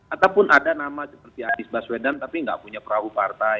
ataupun ada nama seperti anies baswedan tapi nggak punya perahu partai